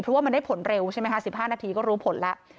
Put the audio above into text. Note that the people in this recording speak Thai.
เพราะว่ามันได้ผลเร็วใช่ไหมคะ๑๕นาทีก็รู้ผลแล้ว